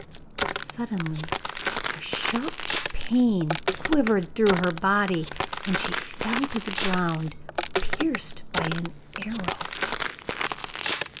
Suddenly a sharp pain quivered through her body, and she fell to the ground, pierced by an arrow.